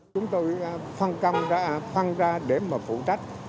chúng tôi phân ra để mà phụ trách